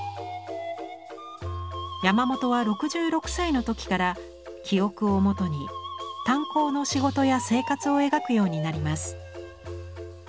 山本は６６歳の時から記憶をもとに炭坑の仕事や生活を描くようになります。